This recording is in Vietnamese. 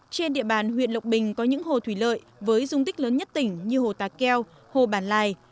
trên địa bàn huyện lộc bình có những hồ thủy lợi với dung tích lớn nhất tỉnh như hồ tà keo hồ bản lai